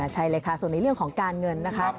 ใช่เลยค่ะส่วนในเรื่องของการเงินนะคะ